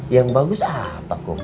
yang bagus apa kom